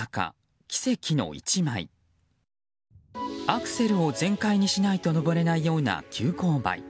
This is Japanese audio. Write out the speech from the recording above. アクセルを全開にしないと上れないような急勾配。